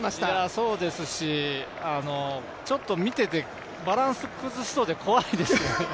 そうですし、ちょっと見ていてバランス崩しそうで怖いです。